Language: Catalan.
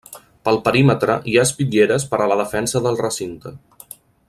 Pel perímetre hi ha espitlleres per a la defensa del recinte.